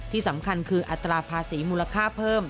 ที่สำคัญคืออัตราภาษีมูลค่าเพิ่ม